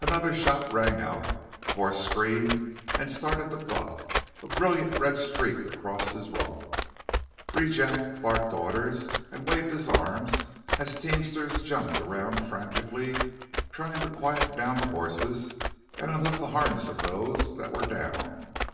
Another shot rang out. A horse screamed and started to buck, a brilliant red streak across his rump. Rejack barked orders and waved his arms as teamsters jumped around frantically, trying to quiet down the horses and unhook the harness of those that were down.